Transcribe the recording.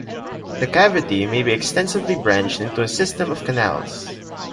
The cavity may be extensively branched into a system of canals.